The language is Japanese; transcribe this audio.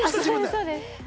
そうです。